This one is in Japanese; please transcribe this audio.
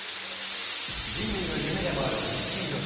人類の夢でもある地震予知。